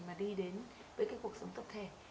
mà đi đến với cái cuộc sống tập thể